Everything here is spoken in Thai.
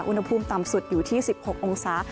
อุณหภูมิต่ำสุดอยู่ที่๑๖องศา